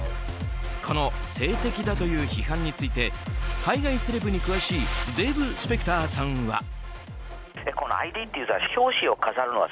この、性的だという批判について海外セレブに詳しいデーブ・スペクターさんは。